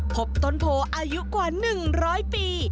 พบต้นโพอายุกว่า๑๐๐ปี